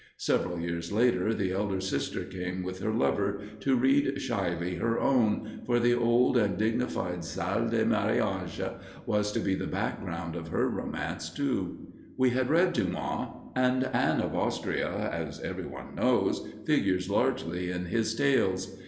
Several years later the elder sister came with her lover to read shyly her own, for the old and dignified Salle des Marriages was to be the background of her romance, too. We had read Dumas, and Anne of Austria, as every one knows, figures largely in his tales.